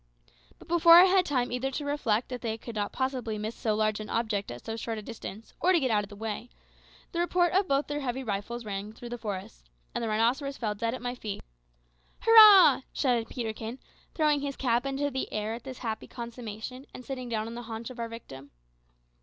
But before I had time either to reflect that they could not possibly miss so large an object at so short a distance, or to get out of the way, the report of both their heavy rifles rang through the forest, and the rhinoceros fell dead almost at my feet. "Hurrah!" shouted Peterkin, throwing his cap into the air at this happy consummation, and sitting down on the haunch of our victim.